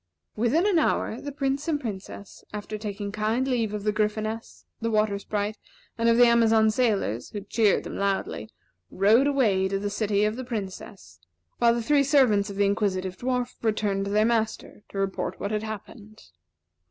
Within an hour, the Prince and Princess, after taking kind leave of the Gryphoness, and Water Sprite, and of the Amazon sailors, who cheered them loudly, rode away to the city of the Princess; while the three servants of the Inquisitive Dwarf returned to their master to report what had happened.